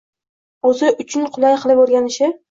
o’zi uchun qulay qilib o’rganishi